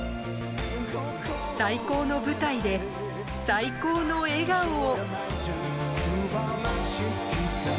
最高の舞台で最高の笑顔を。